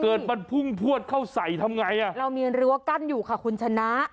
เกิดมันพุ่งพวดเข้าใส่ทำไงอ่ะเรามีรั้วกั้นอยู่ค่ะคุณชนะ